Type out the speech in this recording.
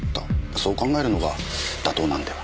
そう考えるのが妥当なのでは？